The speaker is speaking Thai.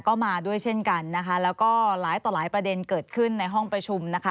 ก็มาด้วยเช่นกันนะคะแล้วก็หลายต่อหลายประเด็นเกิดขึ้นในห้องประชุมนะคะ